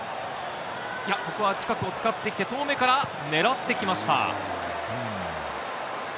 ここは近くを使ってきて遠目から狙ってきました！